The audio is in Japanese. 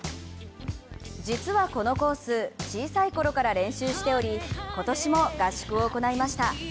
実はこのコース、小さい頃から練習しており今年も合宿を行いました。